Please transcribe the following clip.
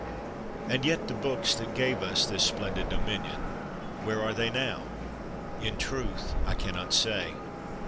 And yet the books that gave us this splendid dominion, where are they now? In truth, I cannot say.